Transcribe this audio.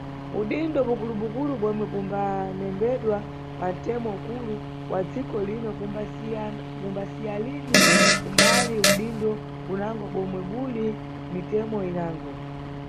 Udindo bukulubukulu bomwe budanembedwa pantemo ukulu wa dziko lino bumbasiya lini kumbali udindo bunango bomwe buli mʼmitemo inango.